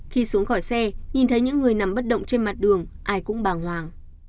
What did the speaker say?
khi xuống khỏi xe nhìn thấy những người nằm bất động trên mặt đường ai cũng bàng hoàng